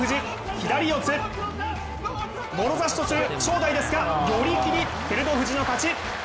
左四つ、もろ差しとしましたが寄り切り、照ノ富士の勝ち。